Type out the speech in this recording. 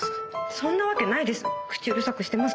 そんなわけないです！